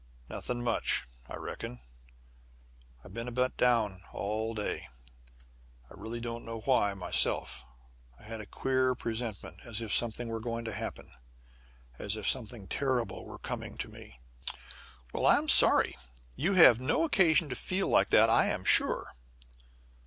"Nothing much, I reckon. I've been a bit down all day. I really don't know why, myself. I've had a queer presentiment, as if something were going to happen. As if something terrible were coming to me." "Well, I'm sorry. You've no occasion to feel like that, I'm sure."